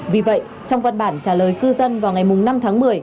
vì vậy trong văn bản trả lời cư dân vào ngày năm tháng một mươi